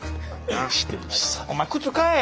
お前靴買え！